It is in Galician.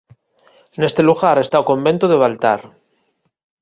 Neste lugar está o convento de Baltar.